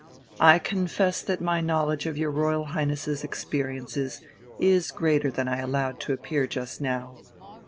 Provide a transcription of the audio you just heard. I confess that my knowledge of your Royal Highness's experiences is greater than I allowed to appear just now.